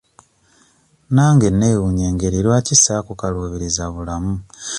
Nange neewuunya engeri lwaki saakukaluubiriza bulamu?